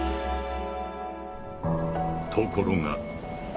ところが。